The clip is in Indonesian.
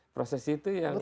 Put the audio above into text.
proses itu yang